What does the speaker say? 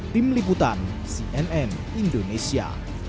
tim liputan cnn indonesia